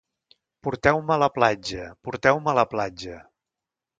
Porteu-me a la platja, porteu-me a la platja...